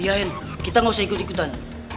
iya hen kita gak usah ikut ikutan